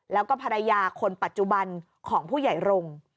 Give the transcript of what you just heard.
แล้วก็ภรรยาคนปัจจุบันของผู้ใหญ่รงค์